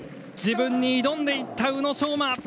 自分に挑んでいった宇野昌磨。